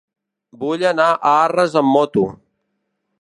Vull anar a Arres amb moto.